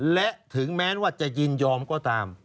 และถึงแม้ว่าจะยินยอมก็ตาม